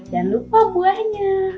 jangan lupa buahnya